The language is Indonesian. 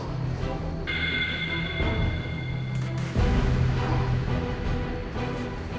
jadi kata dokter